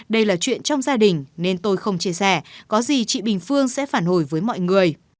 đây là chuyện trong gia đình nên tôi không chia sẻ có gì chị bình phương sẽ phản hồi với mọi người